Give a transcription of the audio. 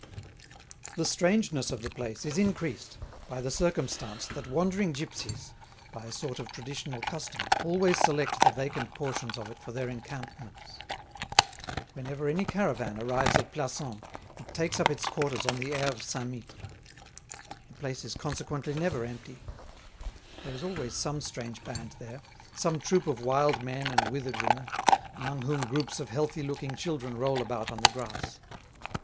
The strangeness of the place is increased by the circumstance that wandering gipsies, by a sort of traditional custom always select the vacant portions of it for their encampments. Whenever any caravan arrives at Plassans it takes up its quarters on the Aire Saint Mittre. The place is consequently never empty. There is always some strange band there, some troop of wild men and withered women, among whom groups of healthy looking children roll about on the grass.